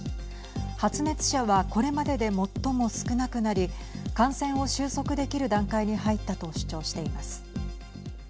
発熱者はこれまでで最も少なくなり感染を収束できる段階に入ったと主張しています。